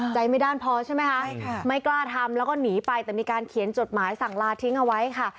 ใจไม่ด้านพอใช่ไหมคะไม่กล้าทำแล้วก็หนีไปแต่มีการเขียนจดหมายสั่งลาทิ้งเอาไว้ค่ะ